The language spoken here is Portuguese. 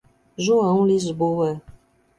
João Lisboa